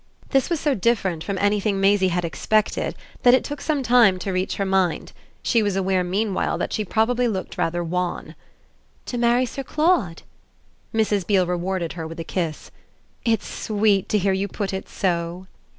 This was so different from anything Maisie had expected that it took some time to reach her mind. She was aware meanwhile that she probably looked rather wan. "To marry Sir Claude?" Mrs. Beale rewarded her with a kiss. "It's sweet to hear you put it so."